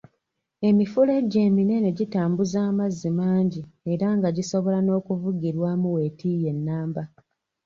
Emifulejje eminene gitambuza amazzi mangi era nga gisobola n'okuvugirwamu weetiiye nnamba